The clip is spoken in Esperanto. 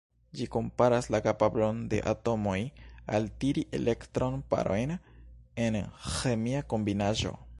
Ĝi komparas la kapablon de atomoj altiri elektron-parojn en ĥemia kombinaĵo.